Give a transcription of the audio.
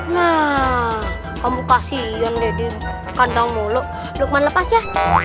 nah kamu kasihan deddy kantong mulu luqman lepas ya